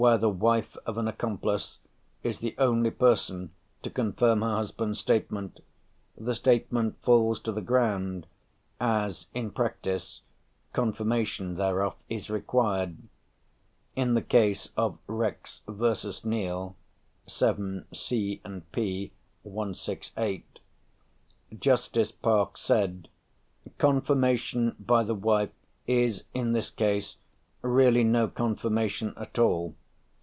Where the wife of an accomplice is the only person to confirm her husband's statement, the statement falls to the ground, as, in practice, confirmation thereof is required; in the case of Rex v. Neal (7 C. and P 168), Justice Park said: "Confirmation by the wife is, in this case, really no confirmation at all.